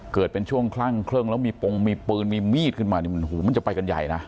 เกิดเป็นช่วงคลั่งคลึ่งแล้วมีปงมีปืนมีมีดขึ้นมานี่มันหูมันจะไปกันใหญ่นะ